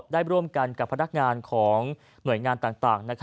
ได้ร่วมกันกับพนักงานของหน่วยงานต่าง